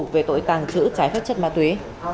về tội càng trữ trái phát chất ma túy